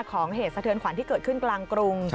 เหตุสะเทือนขวัญที่เกิดขึ้นกลางกรุง